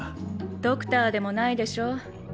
ドクターでもないでしょ。